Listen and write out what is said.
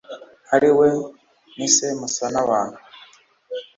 ariwe nise musanabantu